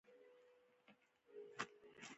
يوه ګردي سړی تراشله کې و.